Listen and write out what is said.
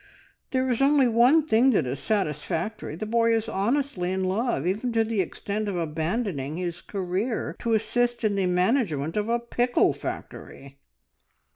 There is only one thing that is satisfactory. The boy is honestly in love, even to the extent of abandoning his career to assist in the management of a pickle factory."